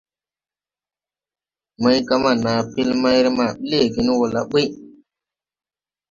Màygabaa na pel mayrè ma bi leegen wo la ɓuy.